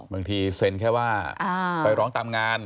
บางทีเซ็นแค่ว่าไปร้องตามงาน